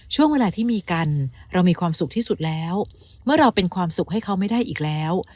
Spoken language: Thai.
ช่วงเวลาที่มีกันเรามีความสุขที่สุดแล้วเมื่อเราเป็นความสุขให้เขาไม่ได้อีกแล้ว